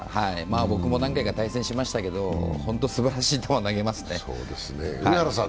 僕も何回か対戦しましたけどほんとすばらしい球、投げますね。